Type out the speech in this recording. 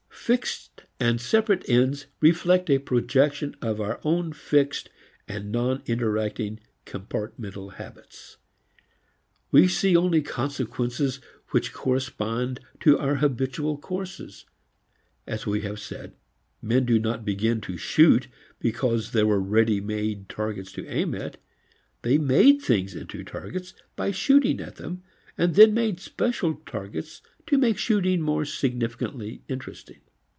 Fixed and separate ends reflect a projection of our own fixed and non interacting compartmental habits. We see only consequences which correspond to our habitual courses. As we have said, men did not begin to shoot because there were ready made targets to aim at. They made things into targets by shooting at them, and then made special targets to make shooting more significantly interesting.